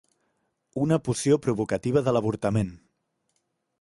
Una poció provocativa de l'avortament.